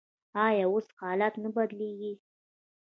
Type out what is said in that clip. آیا اوس حالات نه بدلیږي؟